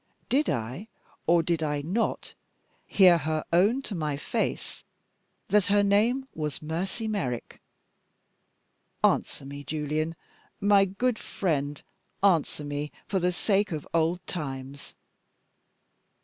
Did I, or did I not, hear her own to my face that her name was Mercy Merrick? Answer me, Julian. My good friend, answer me, for the sake of old times."